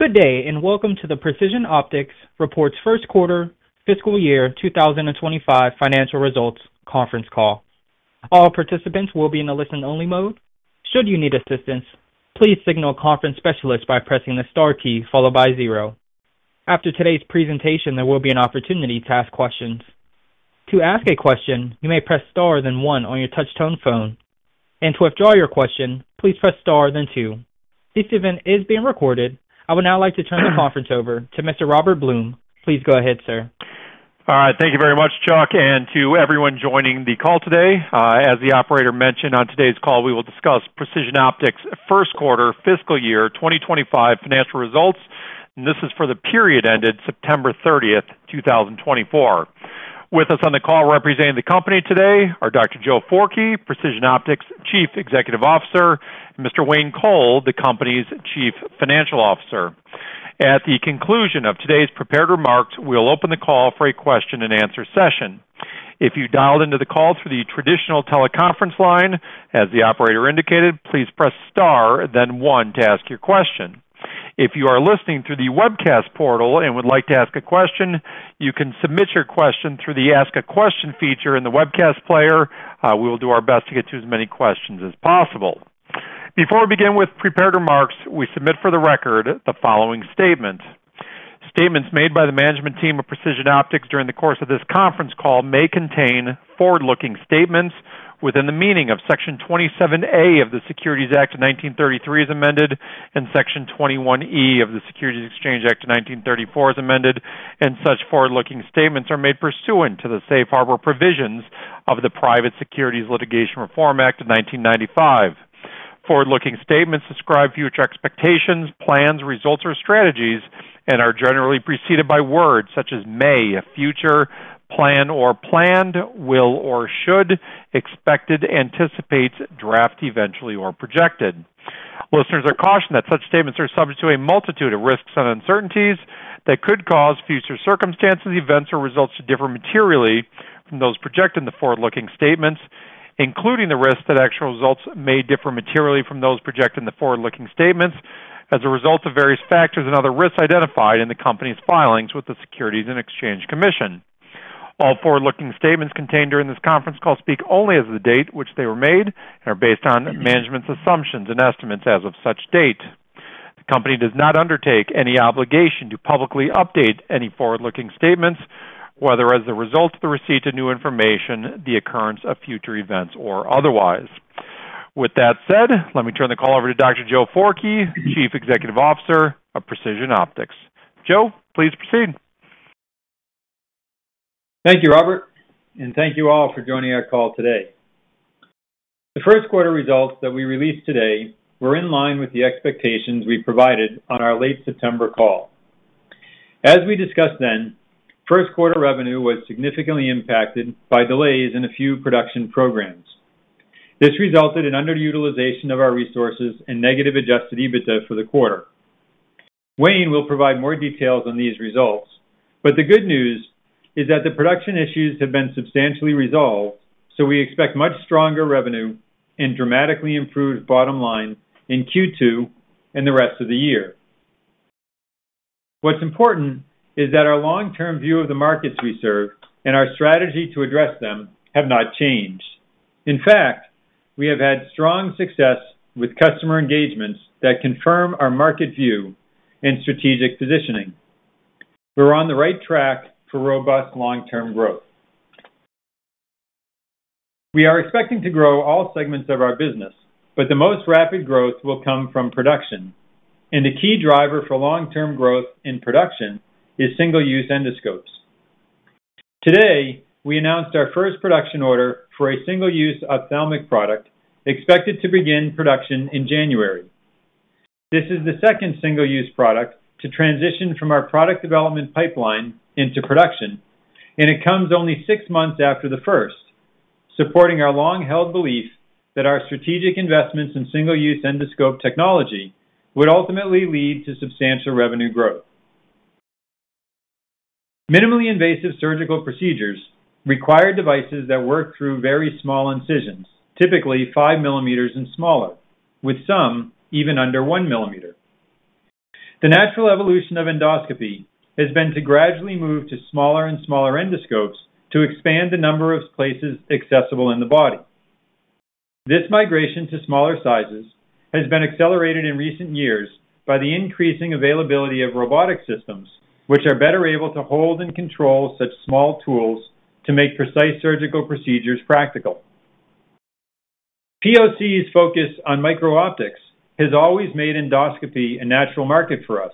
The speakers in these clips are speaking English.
Good day, and welcome to the Precision Optics Corporation's first quarter, fiscal year 2025 financial results conference call. All participants will be in a listen-only mode. Should you need assistance, please signal conference specialists by pressing the star key followed by zero. After today's presentation, there will be an opportunity to ask questions. To ask a question, you may press star then one on your touch-tone phone. And to withdraw your question, please press star then two. This event is being recorded. I would now like to turn the conference over to Mr. Robert Blum. Please go ahead, sir. All right. Thank you very much, Chuck, and to everyone joining the call today. As the operator mentioned, on today's call, we will discuss Precision Optics' first quarter, fiscal year 2025 financial results, and this is for the period ended September 30th, 2024. With us on the call representing the company today are Dr. Joe Forkey, Precision Optics' Chief Executive Officer, and Mr. Wayne Coll, the company's Chief Financial Officer. At the conclusion of today's prepared remarks, we'll open the call for a question-and-answer session. If you dialed into the call through the traditional teleconference line, as the operator indicated, please press star then one to ask your question. If you are listening through the webcast portal and would like to ask a question, you can submit your question through the Ask a Question feature in the webcast player. We will do our best to get to as many questions as possible. Before we begin with prepared remarks, we submit for the record the following statement: Statements made by the management team of Precision Optics during the course of this conference call may contain forward-looking statements within the meaning of Section 27A of the Securities Act of 1933 as amended, and Section 21E of the Securities Exchange Act of 1934 as amended. Such forward-looking statements are made pursuant to the safe harbor provisions of the Private Securities Litigation Reform Act of 1995. Forward-lookingstatements describe future expectations, plans, results, or strategies, and are generally preceded by words such as may, future, plan or planned, will or should, expected, anticipates, intend eventually, or projected. Listeners are cautioned that such statements are subject to a multitude of risks and uncertainties that could cause future circumstances, events, or results to differ materially from those projected in the forward-looking statements, including the risk that actual results may differ materially from those projected in the forward-looking statements as a result of various factors and other risks identified in the company's filings with the Securities and Exchange Commission. All forward-looking statements contained during this conference call speak only as of the date which they were made and are based on management's assumptions and estimates as of such date. The company does not undertake any obligation to publicly update any forward-looking statements, whether as a result of the receipt of new information, the occurrence of future events, or otherwise. With that said, let me turn the call over to Dr. Joe Forkey, Chief Executive Officer of Precision Optics. Joe, please proceed. Thank you, Robert, and thank you all for joining our call today. The first quarter results that we released today were in line with the expectations we provided on our late September call. As we discussed then, first quarter revenue was significantly impacted by delays in a few production programs. This resulted in underutilization of our resources and negative adjusted EBITDA for the quarter. Wayne will provide more details on these results, but the good news is that the production issues have been substantially resolved, so we expect much stronger revenue and dramatically improved bottom line in Q2 and the rest of the year. What's important is that our long-term view of the markets we serve and our strategy to address them have not changed. In fact, we have had strong success with customer engagements that confirm our market view and strategic positioning. We're on the right track for robust long-term growth. We are expecting to grow all segments of our business, but the most rapid growth will come from production, and the key driver for long-term growth in production is single-use endoscopes. Today, we announced our first production order for a single-use ophthalmic product expected to begin production in January. This is the second single-use product to transition from our product development pipeline into production, and it comes only six months after the first, supporting our long-held belief that our strategic investments in single-use endoscope technology would ultimately lead to substantial revenue growth. Minimally invasive surgical procedures require devices that work through very small incisions, typically 5 mm and smaller, with some even under 1 mm. The natural evolution of endoscopy has been to gradually move to smaller and smaller endoscopes to expand the number of places accessible in the body. This migration to smaller sizes has been accelerated in recent years by the increasing availability of robotic systems, which are better able to hold and control such small tools to make precise surgical procedures practical. POC's focus on micro-optics has always made endoscopy a natural market for us,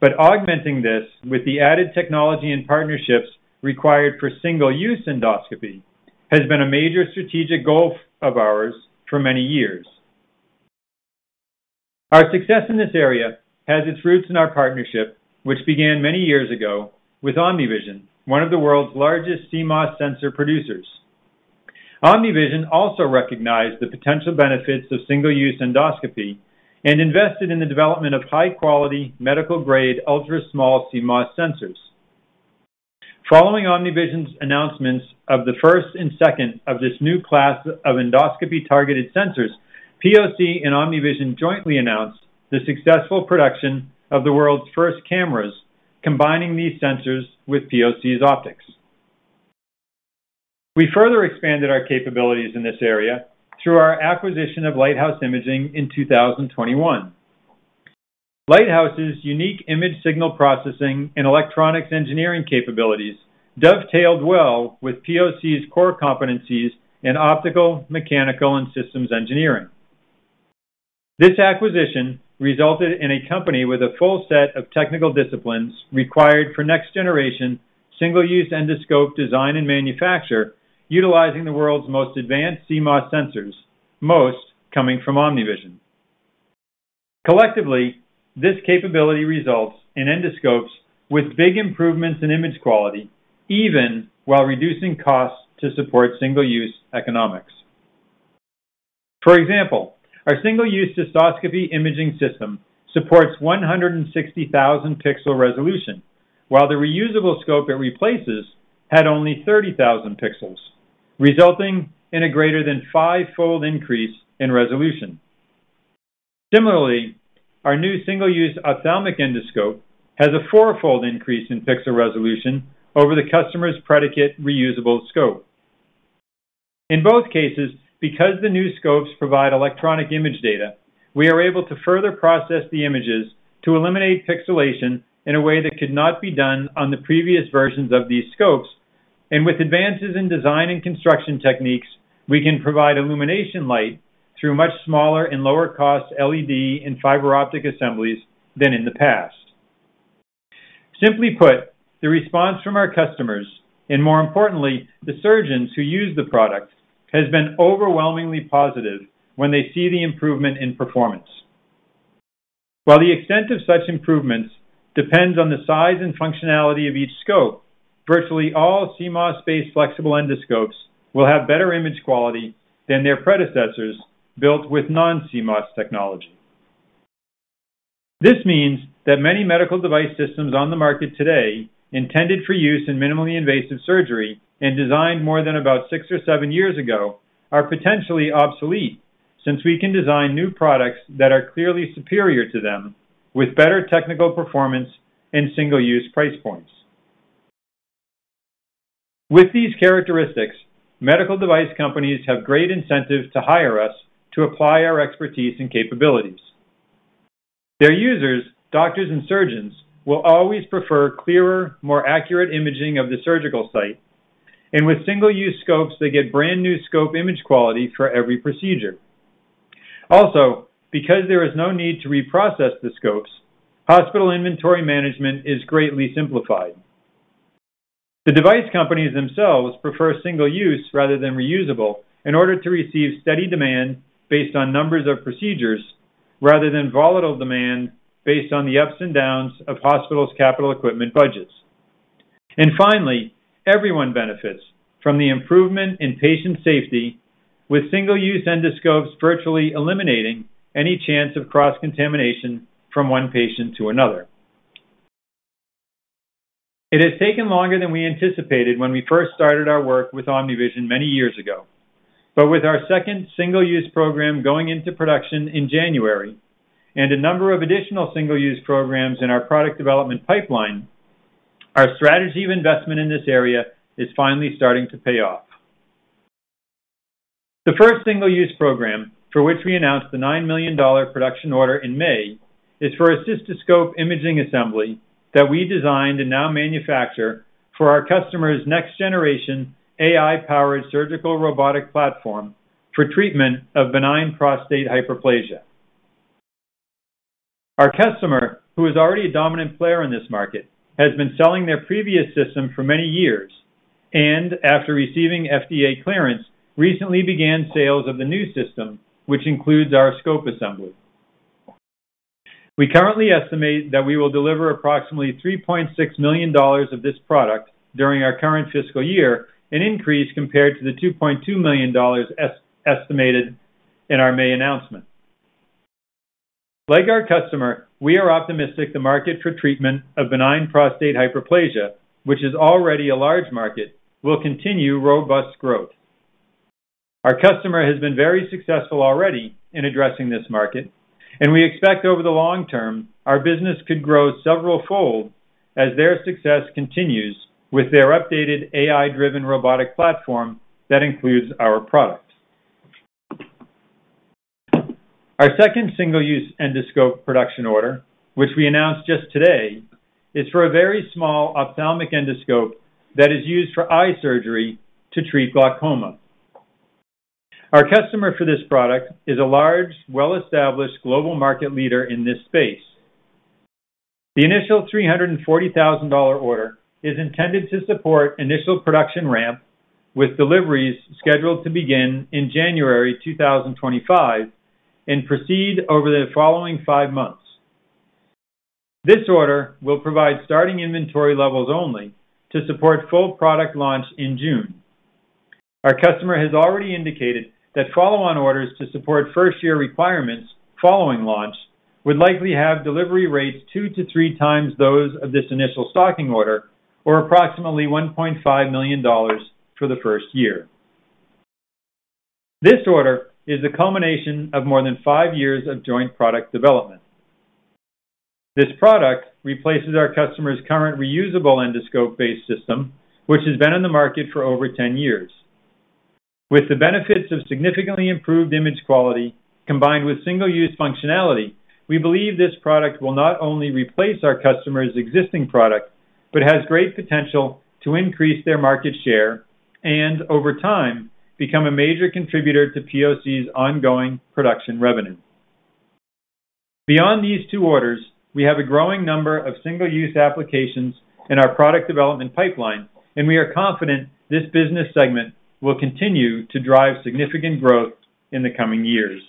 but augmenting this with the added technology and partnerships required for single-use endoscopy has been a major strategic goal of ours for many years. Our success in this area has its roots in our partnership, which began many years ago with OmniVision, one of the world's largest CMOS sensor producers. OmniVision also recognized the potential benefits of single-use endoscopy and invested in the development of high-quality, medical-grade ultra-small CMOS sensors. Following OmniVision's announcements of the first and second of this new class of endoscopy-targeted sensors, POC and OmniVision jointly announced the successful production of the world's first cameras combining these sensors with POC's optics. We further expanded our capabilities in this area through our acquisition of Lighthouse Imaging in 2021. Lighthouse's unique image signal processing and electronics engineering capabilities dovetailed well with POC's core competencies in optical, mechanical, and systems engineering. This acquisition resulted in a company with a full set of technical disciplines required for next-generation single-use endoscope design and manufacture, utilizing the world's most advanced CMOS sensors, most coming from OmniVision. Collectively, this capability results in endoscopes with big improvements in image quality, even while reducing costs to support single-use economics. For example, our single-use cystoscope imaging system supports 160,000 pixel resolution, while the reusable scope it replaces had only 30,000 pixels, resulting in a greater than fivefold increase in resolution. Similarly, our new single-use ophthalmic endoscope has a fourfold increase in pixel resolution over the customer's predicate reusable scope. In both cases, because the new scopes provide electronic image data, we are able to further process the images to eliminate pixelation in a way that could not be done on the previous versions of these scopes. And with advances in design and construction techniques, we can provide illumination light through much smaller and lower-cost LED and fiber optic assemblies than in the past. Simply put, the response from our customers and, more importantly, the surgeons who use the product has been overwhelmingly positive when they see the improvement in performance. While the extent of such improvements depends on the size and functionality of each scope, virtually all CMOS-based flexible endoscopes will have better image quality than their predecessors built with non-CMOS technology. This means that many medical device systems on the market today, intended for use in minimally invasive surgery and designed more than about six or seven years ago, are potentially obsolete since we can design new products that are clearly superior to them with better technical performance and single-use price points. With these characteristics, medical device companies have great incentive to hire us to apply our expertise and capabilities. Their users, doctors and surgeons, will always prefer clearer, more accurate imaging of the surgical site, and with single-use scopes, they get brand new scope image quality for every procedure. Also, because there is no need to reprocess the scopes, hospital inventory management is greatly simplified. The device companies themselves prefer single-use rather than reusable in order to receive steady demand based on numbers of procedures rather than volatile demand based on the ups and downs of hospitals' capital equipment budgets. And finally, everyone benefits from the improvement in patient safety, with single-use endoscopes virtually eliminating any chance of cross-contamination from one patient to another. It has taken longer than we anticipated when we first started our work with OmniVision many years ago, but with our second single-use program going into production in January and a number of additional single-use programs in our product development pipeline, our strategy of investment in this area is finally starting to pay off. The first single-use program for which we announced the $9 million production order in May is for a cystoscope imaging assembly that we designed and now manufacture for our customer's next-generation AI-powered surgical robotic platform for treatment of benign prostate hyperplasia. Our customer, who is already a dominant player in this market, has been selling their previous system for many years and, after receiving FDA clearance, recently began sales of the new system, which includes our scope assembly. We currently estimate that we will deliver approximately $3.6 million of this product during our current fiscal year, an increase compared to the $2.2 million estimated in our May announcement. Like our customer, we are optimistic the market for treatment of benign prostate hyperplasia, which is already a large market, will continue robust growth. Our customer has been very successful already in addressing this market, and we expect over the long term, our business could grow several-fold as their successcontinues with their updated AI-driven robotic platform that includes our products. Our second single-use endoscope production order, which we announced just today, is for a very small ophthalmic endoscope that is used for eye surgery to treat glaucoma. Our customer for this product is a large, well-established global market leader in this space. The initial $340,000 order is intended to support initial production ramp with deliveries scheduled to begin in January 2025 and proceed over the following five months. This order will provide starting inventory levels only to support full product launch in June. Our customer has already indicated that follow-on orders to support first-year requirements following launch would likely have delivery rates two to three times those of this initial stocking order or approximately $1.5 million for the first year. This order is the culmination of more than five years of joint product development. This product replaces our customer's current reusable endoscope-based system, which has been in the market for over 10 years. With the benefits of significantly improved image quality combined with single-use functionality, we believe this product will not only replace our customer's existing product but has great potential to increase their market share and, over time, become a major contributor to POC's ongoing production revenue. Beyond these two orders, we have a growing number of single-use applications in our product development pipeline, and we are confident this business segment will continue to drive significant growth in the coming years.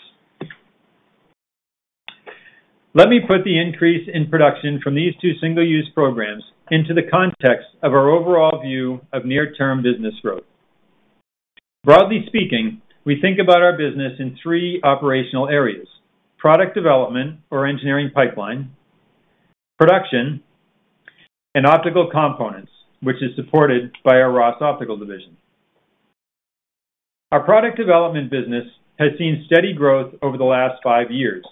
Let me put the increase in production from these two single-use programs into the context of our overall view of near-term business growth. Broadly speaking, we think about our business in three operational areas: product development or engineering pipeline, production, and optical components, which is supported by our Ross Optical Division. Our product development business has seen steady growth over the last five years.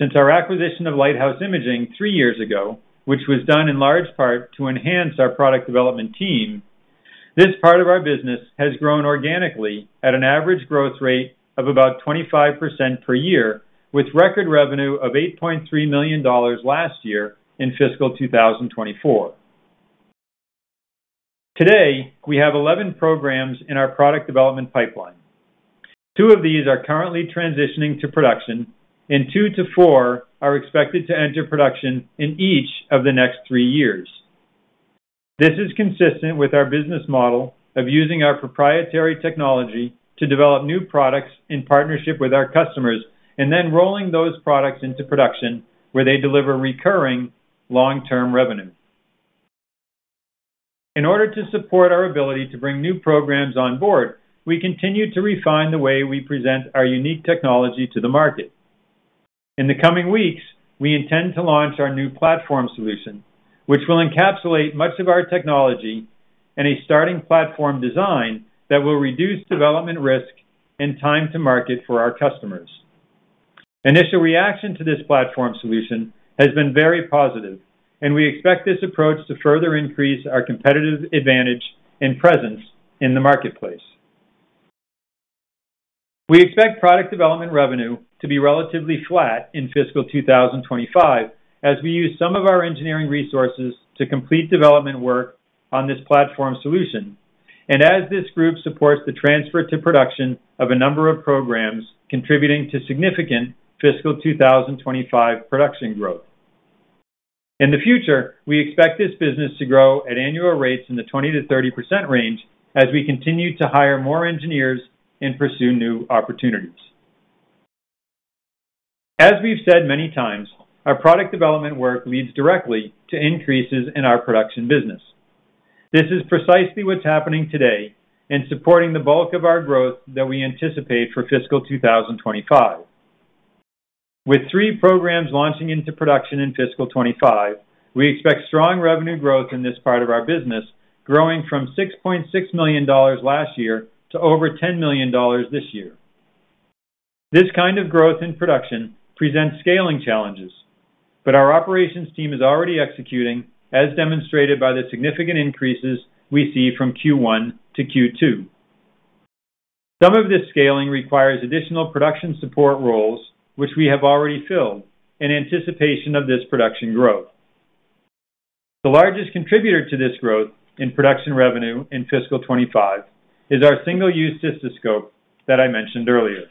Since our acquisition of Lighthouse Imaging three years ago, which was done in large part to enhance our product development team, this part of our business has grown organically at an average growth rate of about 25% per year, with record revenue of $8.3 million last year in fiscal 2024. Today, we have 11 programs in our product development pipeline. Two of these are currently transitioning to production, and two to four are expected to enter production in each of the next three years. This is consistent with our business model of using our proprietary technology to develop new products in partnership with our customers and then rolling those products into production where they deliver recurring long-term revenue. In order to support our ability to bring new programs on board, we continue to refine the way we present our unique technology to the market. In the coming weeks, we intend to launch our new platform solution, which will encapsulate much of our technology and a starting platform design that will reduce development risk and time to market for our customers. Initial reaction to this platform solution has been very positive, and we expect this approach to further increase our competitive advantage and presence in the marketplace. We expect product development revenue to be relatively flat in fiscal 2025 as we use some of our engineering resources to complete development work on this platform solution, and as this group supports the transfer to production of a number of programs contributing to significant fiscal 2025 production growth. In the future, we expect this business to grow at annual rates in the 20%-30% range as we continue to hire more engineers and pursue new opportunities. As we've said many times, our product development work leads directly to increases in our production business. This is precisely what's happening today and supporting the bulk of our growth that we anticipate for fiscal 2025. With three programs launching into production in fiscal 2025, we expect strong revenue growth in this part of our business, growing from $6.6 million last year to over $10 million this year. This kind of growth in production presents scaling challenges, but our operations team is already executing, as demonstrated by the significant increases we see from Q1 to Q2. Some of this scaling requires additional production support roles, which we have already filled in anticipation of this production growth. The largest contributor to this growth in production revenue in fiscal 2025 is our single-use cystoscope that I mentioned earlier.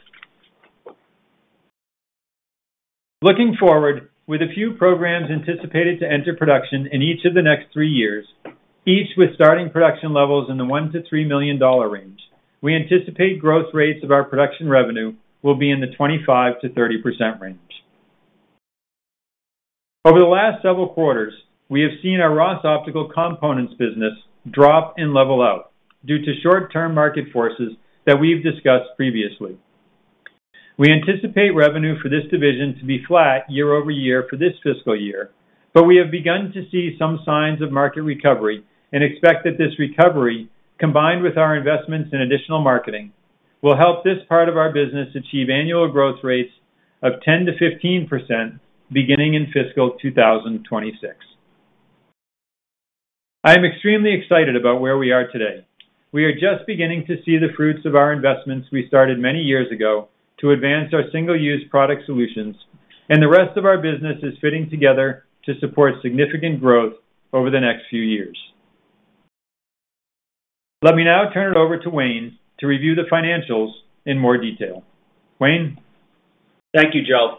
Looking forward, with a few programs anticipated to enter production in each of the next three years, each with starting production levels in the $1-$3 million range, we anticipate growth rates of our production revenue will be in the 25%-30% range. Over the last several quarters, we have seen our Ross Optical components business drop and level out due to short-term market forces that we've discussed previously. We anticipate revenue for this division to be flat year over year for this fiscal year, but we have begun to see some signs of market recovery and expect that this recovery, combined with our investments in additional marketing, will help this part of our business achieve annual growth rates of 10%-15% beginning in fiscal 2026. I am extremely excited about where we are today. We are just beginning to see the fruits of our investments we started many years ago to advance our single-use product solutions, and the rest of our business is fitting together to support significant growth over the next few years. Let me now turn it over to Wayne to review the financials in more detail. Wayne? Thank you, Joe.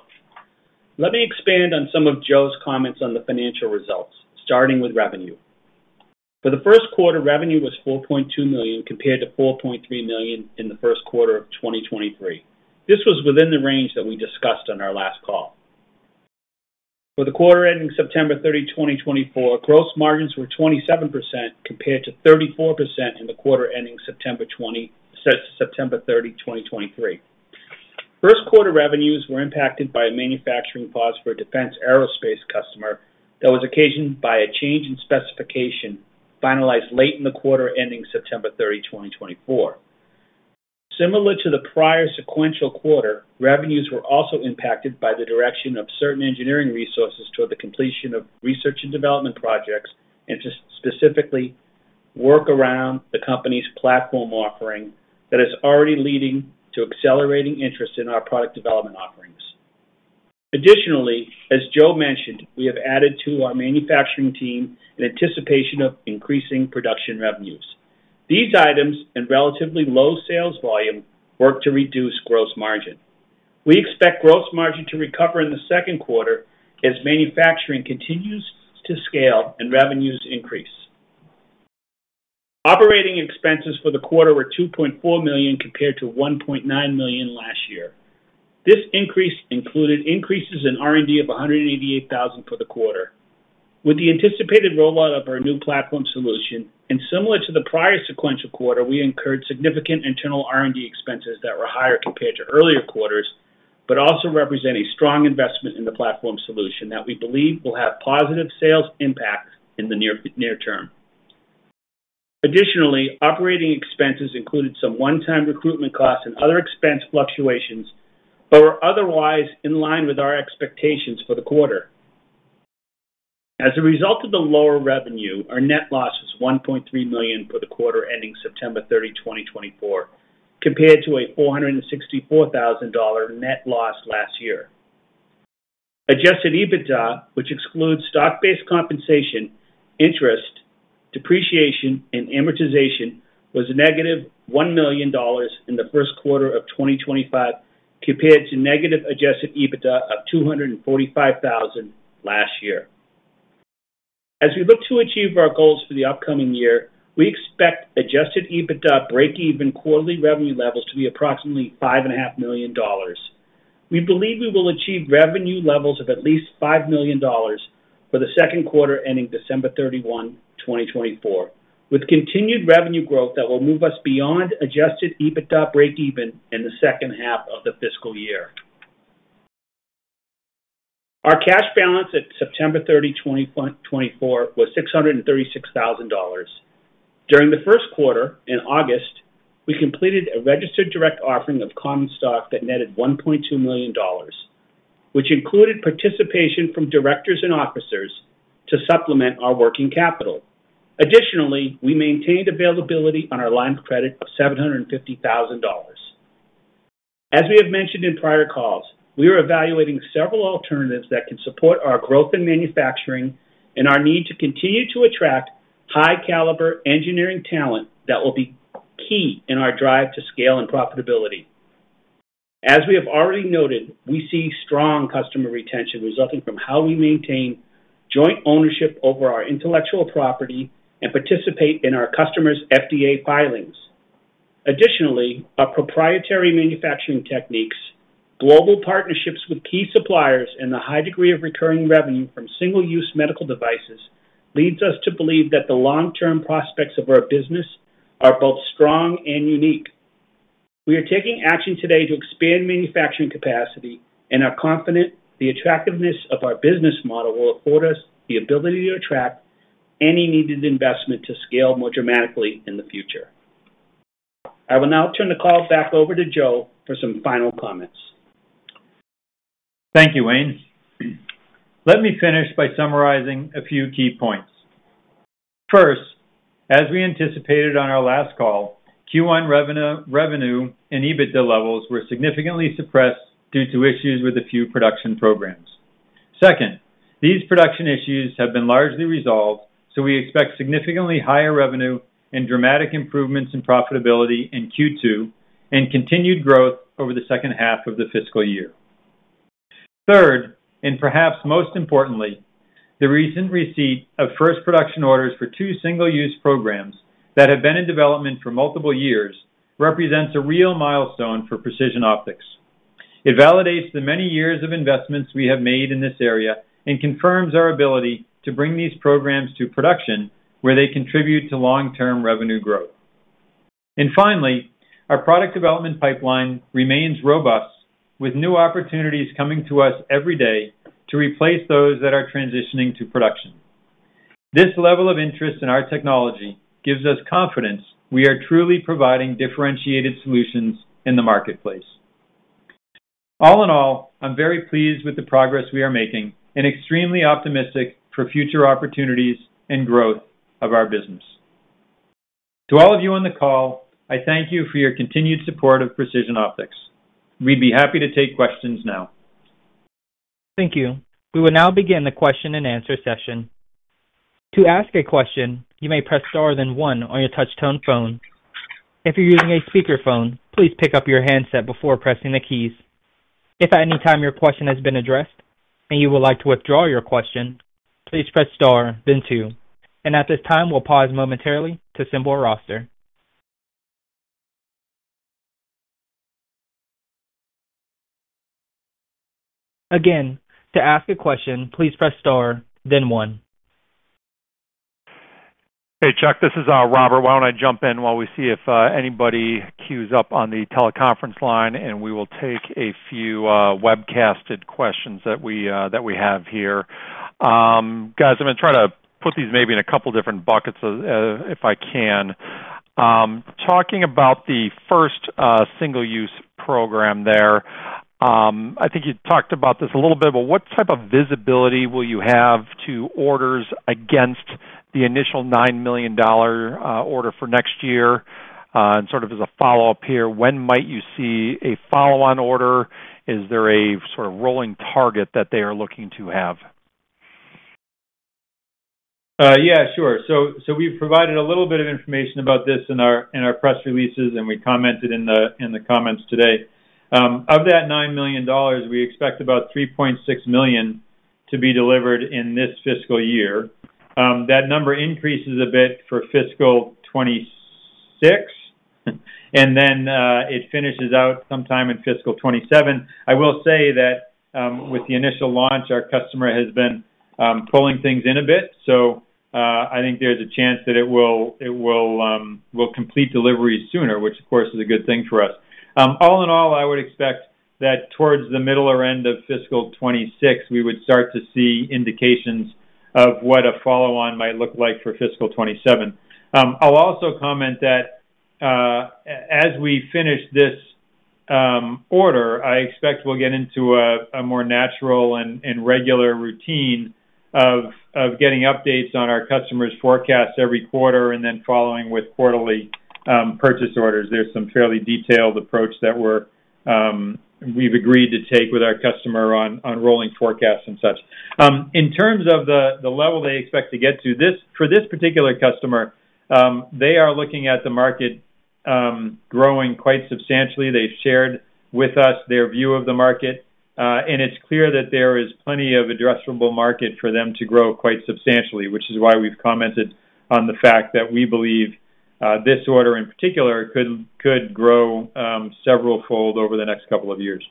Let me expand on some of Joe's comments on the financial results, starting with revenue. For the first quarter, revenue was $4.2 million compared to $4.3 million in the first quarter of 2023. This was within the range that we discussed on our last call. For the quarter ending September 30, 2024, gross margins were 27% compared to 34% in the quarter ending September 30, 2023. First quarter revenues were impacted by a manufacturing pause for a defense aerospace customer that was occasioned by a change in specification finalized late in the quarter ending September 30, 2024. Similar to the prior sequential quarter, revenues were also impacted by the direction of certain engineering resources toward the completion of research and development projects and to specifically work around the company's platform offering that is already leading to accelerating interest in our product development offerings. Additionally, as Joe mentioned, we have added to our manufacturing team in anticipation of increasing production revenues. These items and relatively low sales volume work to reduce gross margin. We expect gross margin to recover in the second quarter as manufacturing continues to scale and revenues increase. Operating expenses for the quarter were $2.4 million compared to $1.9 million last year. This increase included increases in R&D of $188,000 for the quarter. With the anticipated rollout of our new platform solution and similar to the prior sequential quarter, we incurred significant internal R&D expenses that were higher compared to earlier quarters, but also represent a strong investment in the platform solution that we believe will have positive sales impact in the near term. Additionally, operating expenses included some one-time recruitment costs and other expense fluctuations, but were otherwise in line with our expectations for the quarter. As a result of the lower revenue, our net loss was $1.3 million for the quarter ending September 30, 2024, compared to a $464,000 net loss last year. Adjusted EBITDA, which excludes stock-based compensation, interest, depreciation, and amortization, was negative $1 million in the first quarter of 2025 compared to negative adjusted EBITDA of $245,000 last year. As we look to achieve our goals for the upcoming year, we expect adjusted EBITDA break-even quarterly revenue levels to be approximately $5.5 million. We believe we will achieve revenue levels of at least $5 million for the second quarter ending December 31, 2024, with continued revenue growth that will move us beyond adjusted EBITDA break-even in the second half of the fiscal year. Our cash balance at September 30, 2024, was $636,000. During the first quarter, in August, we completed a registered direct offering of common stock that netted $1.2 million, which included participation from directors and officers to supplement our working capital. Additionally, we maintained availability on our line of credit of $750,000. As we have mentioned in prior calls, we are evaluating several alternatives that can support our growth in manufacturing and our need to continue to attract high-caliber engineering talent that will be key in our drive to scale and profitability. As we have already noted, we see strong customer retention resulting from how we maintain joint ownership over our intellectual property and participate in our customers' FDA filings. Additionally, our proprietary manufacturing techniques, global partnerships with key suppliers, and the high degree of recurring revenue from single-use medical devices leads us to believe that the long-term prospects of our business are both strong and unique. We are taking action today to expand manufacturing capacity, and are confident the attractiveness of our business model will afford us the ability to attract any needed investment to scale more dramatically in the future. I will now turn the call back over to Joe for some final comments. Thank you, Wayne. Let me finish by summarizing a few key points. First, as we anticipated on our last call, Q1 revenue and EBITDA levels were significantly suppressed due to issues with a few production programs. Second, these production issues have been largely resolved, so we expect significantly higher revenue and dramatic improvements in profitability in Q2 and continued growth over the second half of the fiscal year. Third, and perhaps most importantly, the recent receipt of first production orders for two single-use programs that have been in development for multiple years represents a real milestone for Precision Optics. It validates the many years of investments we have made in this area and confirms our ability to bring these programs to production where they contribute to long-term revenue growth, and finally, our product development pipeline remains robust, with new opportunities coming to us every day to replace those that are transitioning to production. This level of interest in our technology gives us confidence we are truly providing differentiated solutions in the marketplace. All in all, I'm very pleased with the progress we are making and extremely optimistic for future opportunities and growth of our business. To all of you on the call, I thank you for your continued support of Precision Optics. We'd be happy to take questions now. Thank you. We will now begin the question and answer session. To ask a question, you may press star, then one on your touch-tone phone. If you're using a speakerphone, please pick up your handset before pressing the keys. If at any time your question has been addressed and you would like to withdraw your question, please press star then two. At this time, we'll pause momentarily to assemble roster. Again, to ask a question, please press star then one. Hey, Chuck, this is Robert. Why don't I jump in while we see if anybody queues up on the teleconference line, and we will take a few webcasted questions that we have here. Guys, I'm going to try to put these maybe in a couple of different buckets if I can. Talking about the first single-use program there, I think you talked about this a little bit, but what type of visibility will you have to orders against the initial $9 million order for next year? Sort of as a follow-up here, when might you see a follow-on order? Is there a sort of rolling target that they are looking to have? Yeah, sure. So we've provided a little bit of information about this in our press releases, and we commented in the comments today. Of that $9 million, we expect about $3.6 million to be delivered in this fiscal year. That number increases a bit for fiscal 2026, and then it finishes out sometime in fiscal 2027. I will say that with the initial launch, our customer has been pulling things in a bit, so I think there's a chance that it will complete deliveries sooner, which, of course, is a good thing for us. All in all, I would expect that towards the middle or end of fiscal 2026, we would start to see indications of what a follow-on might look like for fiscal 2027. I'll also comment that as we finish this order, I expect we'll get into a more natural and regular routine of getting updates on our customers' forecasts every quarter and then following with quarterly purchase orders. There's some fairly detailed approach that we've agreed to take with our customer on rolling forecasts and such. In terms of the level they expect to get to, for this particular customer, they are looking at the market growing quite substantially. They've shared with us their view of the market, and it's clear that there is plenty of addressable market for them to grow quite substantially, which is why we've commented on the fact that we believe this order in particular could grow several-fold over the next couple of years.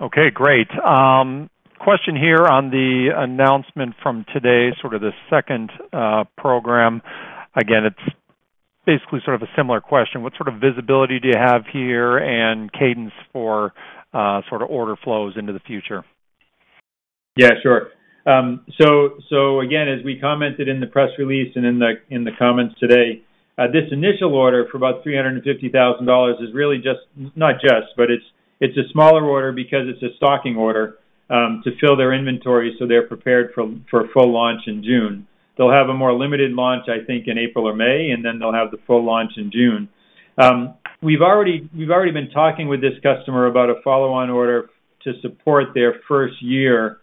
Okay, great. Question here on the announcement from today, sort of the second program. Again, it's basically sort of a similar question. What sort of visibility do you have here and cadence for sort of order flows into the future? Yeah, sure. So again, as we commented in the press release and in the comments today, this initial order for about $350,000 is really just, but it's a smaller order because it's a stocking order to fill their inventory so they're prepared for full launch in June. They'll have a more limited launch, I think, in April or May, and then they'll have the full launch in June. We've already been talking with this customer about a follow-on order to support their first year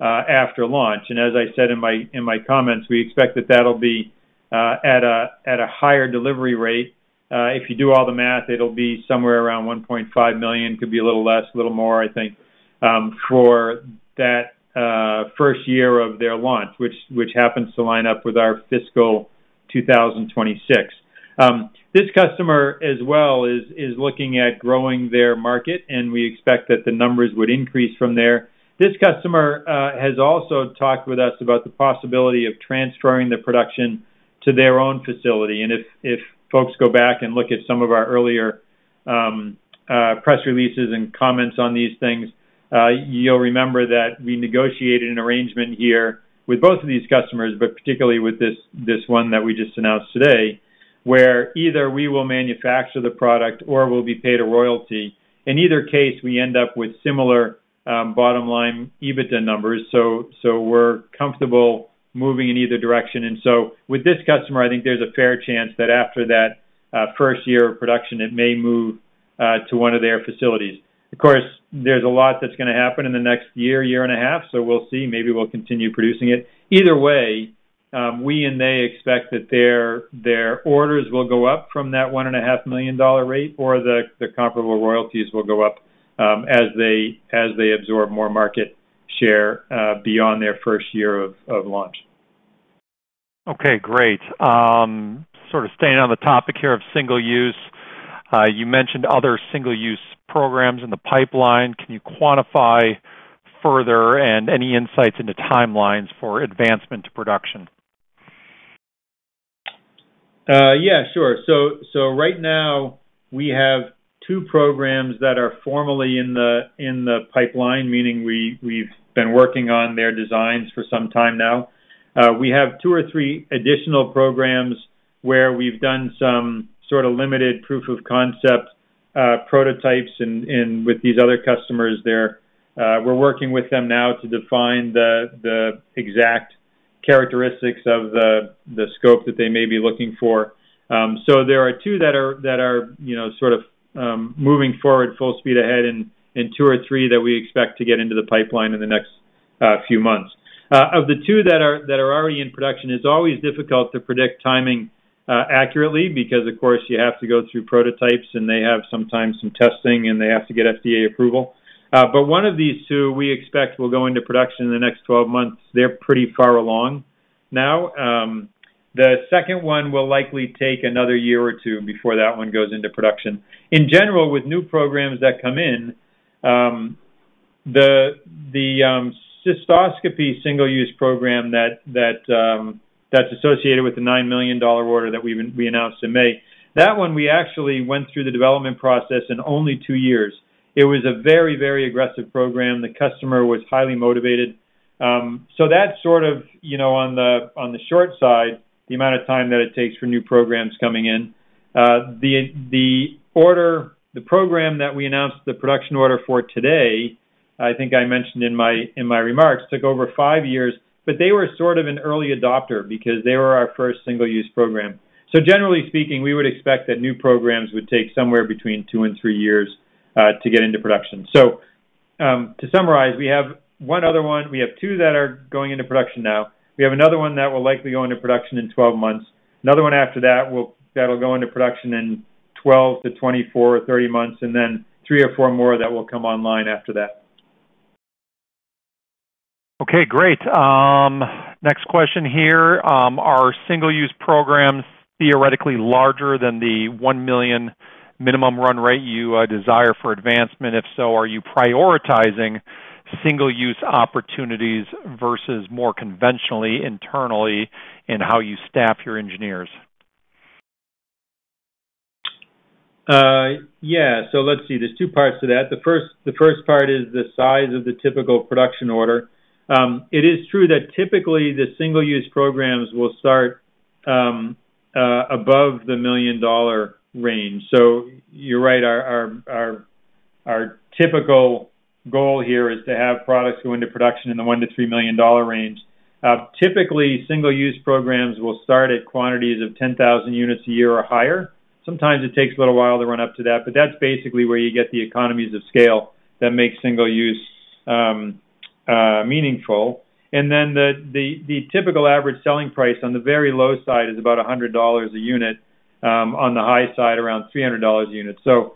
after launch. And as I said in my comments, we expect that that'll be at a higher delivery rate. If you do all the math, it'll be somewhere around $1.5 million. It could be a little less, a little more, I think, for that first year of their launch, which happens to line up with our fiscal 2026. This customer, as well, is looking at growing their market, and we expect that the numbers would increase from there. This customer has also talked with us about the possibility of transferring the production to their own facility. If folks go back and look at some of our earlier press releases and comments on these things, you'll remember that we negotiated an arrangement here with both of these customers, but particularly with this one that we just announced today, where either we will manufacture the product or we'll be paid a royalty. In either case, we end up with similar bottom-line EBITDA numbers, so we're comfortable moving in either direction, and so with this customer, I think there's a fair chance that after that first year of production, it may move to one of their facilities. Of course, there's a lot that's going to happen in the next year, year and a half, so we'll see. Maybe we'll continue producing it. Either way, we and they expect that their orders will go up from that $1.5 million rate or the comparable royalties will go up as they absorb more market share beyond their first year of launch. Okay, great. Sort of staying on the topic here of single-use, you mentioned other single-use programs in the pipeline. Can you quantify further and any insights into timelines for advancement to production? Yeah, sure. So right now, we have two programs that are formally in the pipeline, meaning we've been working on their designs for some time now. We have two or three additional programs where we've done some sort of limited proof of concept prototypes with these other customers there. We're working with them now to define the exact characteristics of the scope that they may be looking for. So there are two that are sort of moving forward full speed ahead and two or three that we expect to get into the pipeline in the next few months. Of the two that are already in production, it's always difficult to predict timing accurately because, of course, you have to go through prototypes and they have sometimes some testing and they have to get FDA approval. But one of these two we expect will go into production in the next 12 months. They're pretty far along now. The second one will likely take another year or two before that one goes into production. In general, with new programs that come in, the cystoscopy single-use program that's associated with the $9 million order that we announced in May, that one we actually went through the development process in only two years. It was a very, very aggressive program. The customer was highly motivated, so that's sort of on the short side, the amount of time that it takes for new programs coming in. The program that we announced the production order for today, I think I mentioned in my remarks, took over five years, but they were sort of an early adopter because they were our first single-use program, so generally speaking, we would expect that new programs would take somewhere between two and three years to get into production, so to summarize, we have one other one. We have two that are going into production now. We have another one that will likely go into production in 12 months. Another one after that that'll go into production in 12-24 or 30 months, and then three or four more that will come online after that. Okay, great. Next question here. Are single-use programs theoretically larger than the $1 million minimum run rate you desire for advancement? If so, are you prioritizing single-use opportunities versus more conventionally internally in how you staff your engineers? Yeah. So let's see. There's two parts to that. The first part is the size of the typical production order. It is true that typically the single-use programs will start above the $1 million-dollar range. So you're right. Our typical goal here is to have products go into production in the $1-$3 million dollar range. Typically, single-use programs will start at quantities of 10,000 units a year or higher. Sometimes it takes a little while to run up to that, but that's basically where you get the economies of scale that make single-use meaningful. And then the typical average selling price on the very low side is about $100 a unit. On the high side, around $300 a unit. So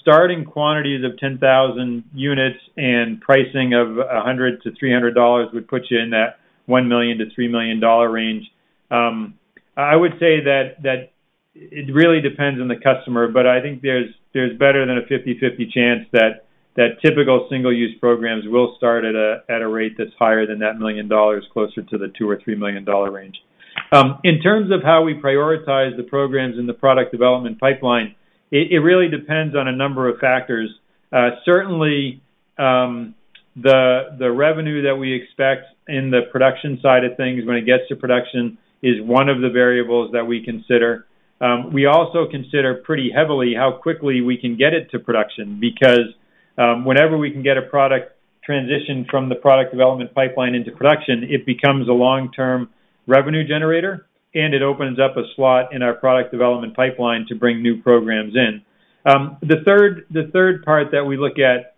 starting quantities of 10,000 units and pricing of $100-$300 would put you in that $1 million-$3 million dollar range. I would say that it really depends on the customer, but I think there's better than a 50/50 chance that typical single-use programs will start at a rate that's higher than that $1 million, closer to the $2 million or $3 million dollar range. In terms of how we prioritize the programs in the product development pipeline, it really depends on a number of factors. Certainly, the revenue that we expect in the production side of things when it gets to production is one of the variables that we consider. We also consider pretty heavily how quickly we can get it to production because whenever we can get a product transitioned from the product development pipeline into production, it becomes a long-term revenue generator, and it opens up a slot in our product development pipeline to bring new programs in. The third part that we look at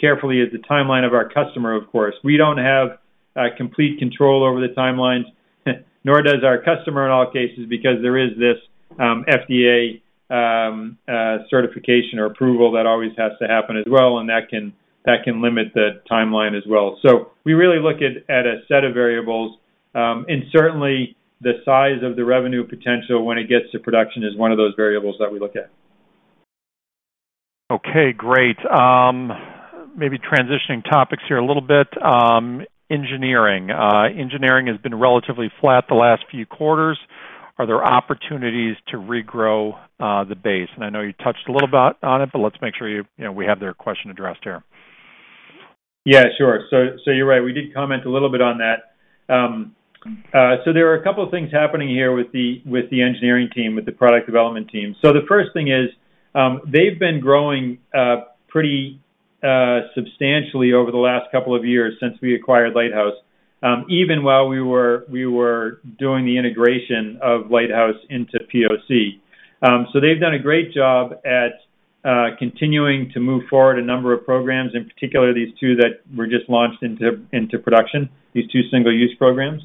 carefully is the timeline of our customer, of course. We don't have complete control over the timelines, nor does our customer in all cases because there is this FDA certification or approval that always has to happen as well, and that can limit the timeline as well. So we really look at a set of variables, and certainly the size of the revenue potential when it gets to production is one of those variables that we look at. Okay, great. Maybe transitioning topics here a little bit. Engineering. Engineering has been relatively flat the last few quarters. Are there opportunities to regrow the base? And I know you touched a little bit on it, but let's make sure we have their question addressed here. Yeah, sure. So you're right. We did comment a little bit on that. So there are a couple of things happening here with the engineering team, with the product development team. So the first thing is they've been growing pretty substantially over the last couple of years since we acquired Lighthouse, even while we were doing the integration of Lighthouse into POC. So they've done a great job at continuing to move forward a number of programs, in particular these two that were just launched into production, these two single-use programs.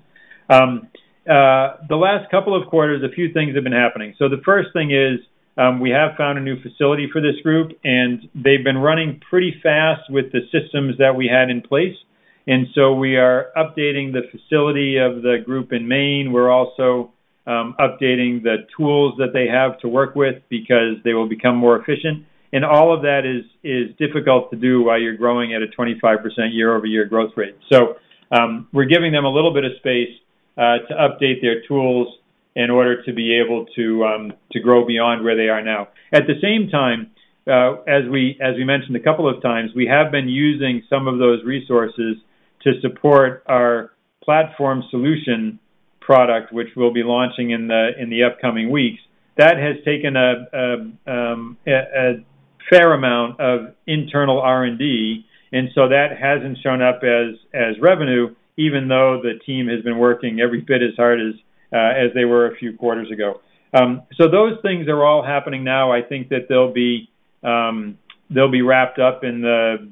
The last couple of quarters, a few things have been happening. The first thing is we have found a new facility for this group, and they've been running pretty fast with the systems that we had in place. We are updating the facility of the group in Maine. We're also updating the tools that they have to work with because they will become more efficient. All of that is difficult to do while you're growing at a 25% year-over-year growth rate. We're giving them a little bit of space to update their tools in order to be able to grow beyond where they are now. At the same time, as we mentioned a couple of times, we have been using some of those resources to support our Platform Solution product, which we'll be launching in the upcoming weeks. That has taken a fair amount of internal R&D, and so that hasn't shown up as revenue, even though the team has been working every bit as hard as they were a few quarters ago. So those things are all happening now. I think that they'll be wrapped up in the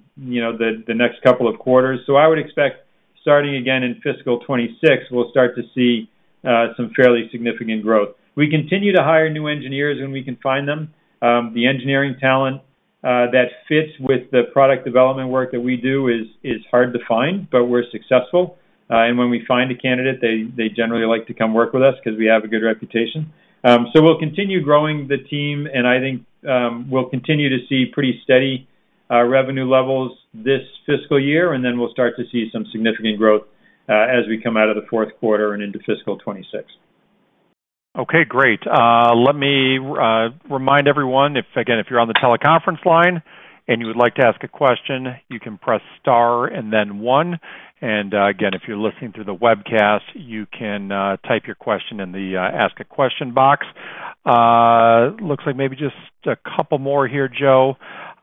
next couple of quarters. So I would expect starting again in fiscal 2026, we'll start to see some fairly significant growth. We continue to hire new engineers when we can find them. The engineering talent that fits with the product development work that we do is hard to find, but we're successful. And when we find a candidate, they generally like to come work with us because we have a good reputation. So we'll continue growing the team, and I think we'll continue to see pretty steady revenue levels this fiscal year, and then we'll start to see some significant growth as we come out of the fourth quarter and into fiscal 2026. Okay, great. Let me remind everyone, again, if you're on the teleconference line and you would like to ask a question, you can press star and then one. And again, if you're listening through the webcast, you can type your question in the ask a question box. Looks like maybe just a couple more here, Joe.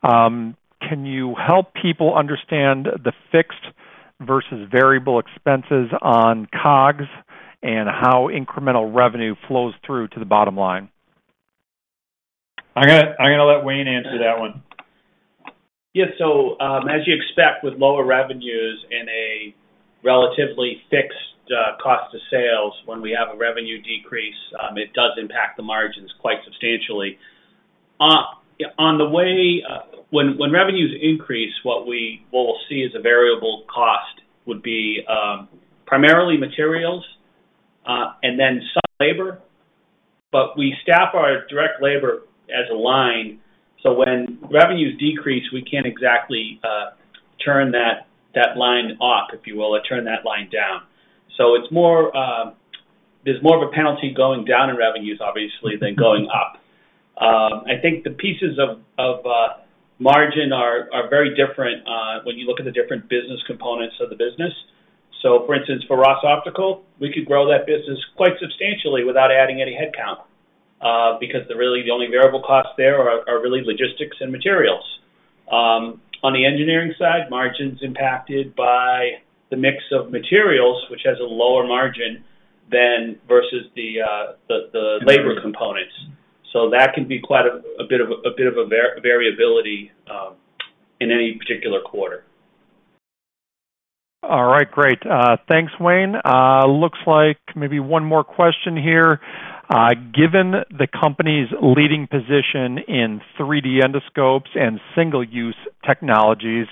Can you help people understand the fixed versus variable expenses on COGS and how incremental revenue flows through to the bottom line? I'm going to let Wayne answer that one. Yeah. So as you expect, with lower revenues and a relatively fixed cost of sales, when we have a revenue decrease, it does impact the margins quite substantially. On the way when revenues increase, what we will see as a variable cost would be primarily materials and then some labor, but we staff our direct labor as a line. So when revenues decrease, we can't exactly turn that line up, if you will, or turn that line down. So there's more of a penalty going down in revenues, obviously, than going up. I think the pieces of margin are very different when you look at the different business components of the business. So for instance, for Ross Optical, we could grow that business quite substantially without adding any headcount because really the only variable costs there are really logistics and materials. On the engineering side, margin's impacted by the mix of materials, which has a lower margin versus the labor components. So that can be quite a bit of a variability in any particular quarter. All right. Great. Thanks, Wayne.Looks like maybe one more question here. Given the company's leading position in 3D endoscopes and single-use technologies,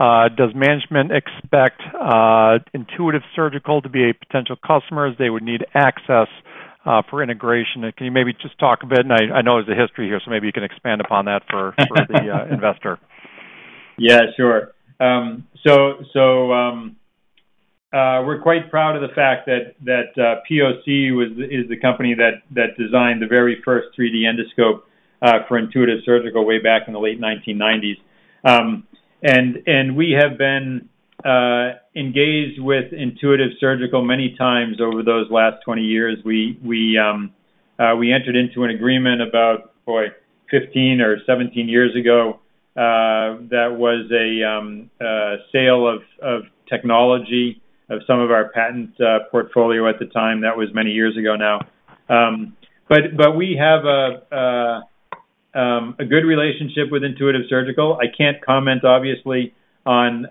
does management expect Intuitive Surgical to be a potential customer as they would need access for integration? And can you maybe just talk a bit? And I know there's a history here, so maybe you can expand upon that for the investor. Yeah, sure. We're quite proud of the fact that POC is the company that designed the very first 3D endoscope for Intuitive Surgical way back in the late 1990s. And we have been engaged with Intuitive Surgical many times over those last 20 years. We entered into an agreement about, boy, 15 or 17 years ago that was a sale of technology of some of our patent portfolio at the time. That was m any years ago now. But we have a good relationship with Intuitive Surgical. I can't comment, obviously, on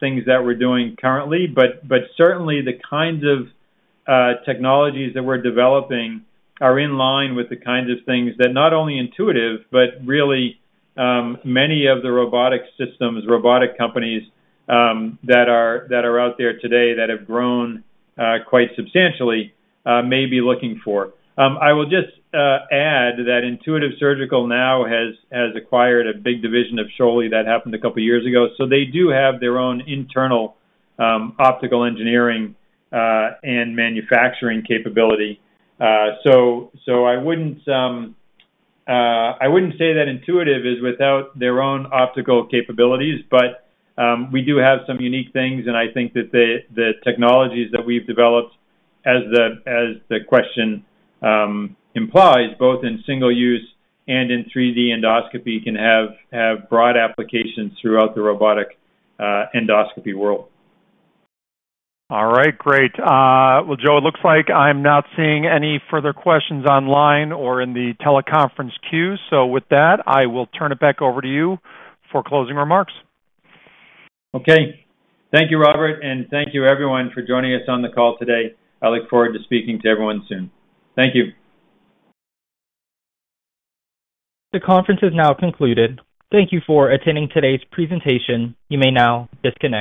things that we're doing currently, but certainly the kinds of technologies that we're developing are in line with the kinds of things that not only Intuitive, but really many of the robotic systems, robotic companies that are out there today that have grown quite substantially may be looking for. I will just add that Intuitive Surgical now has acquired a big division of Schölly. That happened a couple of years ago. So they do have their own internal optical engineering and manufacturing capability. So I wouldn't say that Intuitive is without their own optical capabilities, but we do have some unique things, and I think that the technologies that we've developed, as the question implies, both in single-use and in 3D endoscopy, can have broad applications throughout the robotic endoscopy world. All right. Great. Well, Joe, it looks like I'm not seeing any further questions online or in the teleconference queue. So with that, I will turn it back over to you for closing remarks. Okay. Thank you, Robert, and thank you, everyone, for joining us on the call today. I look forward to speaking to everyone soon. Thank you. The conference is now concluded. Thank you for attending today's presentation. You may now disconnect.